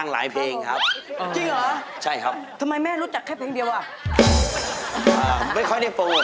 แล้วโจเทศจะร้องเพลงอะไรล่ะลูก